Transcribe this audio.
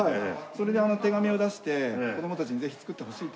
それで手紙を出して子供たちにぜひ作ってほしいっていう事で。